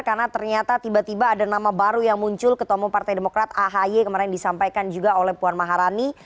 karena ternyata tiba tiba ada nama baru yang muncul ketemu partai demokrat ahy kemarin disampaikan juga oleh puan maharani